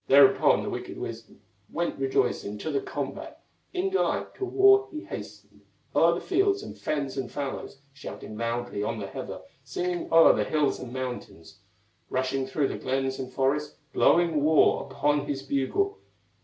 Thereupon the wicked wizard Went rejoicing to the combat; In delight to war he hastened O'er the fields, and fens, and fallows, Shouting loudly on the heather, Singing o'er the hills and mountains, Rushing through the glens and forests, Blowing war upon his bugle.